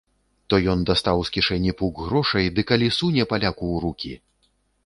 То ён дастаў з кішэні пук грошай ды калі суне паляку ў рукі!